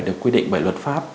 được quy định bởi luật pháp